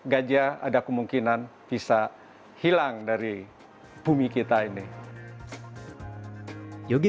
gajah ada kemungkinan bisa hilang dari bumi kita ini